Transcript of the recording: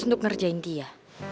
untuk ngerjain dia